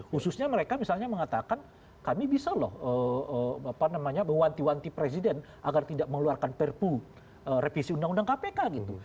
khususnya mereka misalnya mengatakan kami bisa loh mewanti wanti presiden agar tidak mengeluarkan perpu revisi undang undang kpk gitu